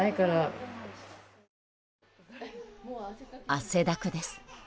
汗だくです。